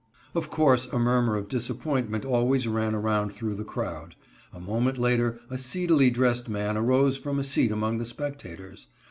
Of course a murmur of disappointment always ran around through the crowd. A moment later a seedily dressed man arose from a seat among the spectators.